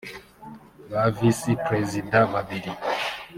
ba visi perezida babiri